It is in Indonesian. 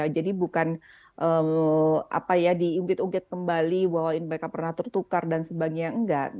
jadi bukan diungkit ungkit kembali bahwa mereka pernah tertukar dan sebagainya enggak